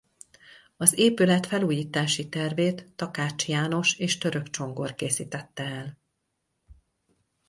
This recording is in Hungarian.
Az épület felújítási tervét Takács János és Török Csongor készítette el.